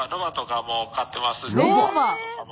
ロバ！